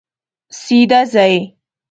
سیده ځئ